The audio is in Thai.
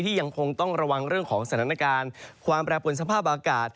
ยังคงต้องระวังเรื่องของสถานการณ์ความแปรปวนสภาพอากาศ